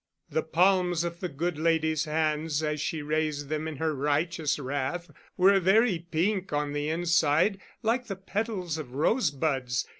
The palms of the good lady's hands, as she raised them in her righteous wrath, were very pink on the inside, like the petals of rosebuds.